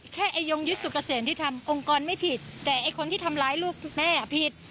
แค่ไอ๊ยงยืสุกเสริญที่ทำองค์กรไม่ผิดแต่ไอไอคนที่ทำร้ายลูกแม่อ่ะผิด